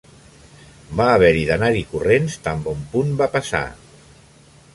Va haver d'anar-hi corrents tan bon punt va passar!